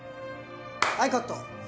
はいカット